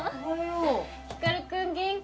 光くん元気？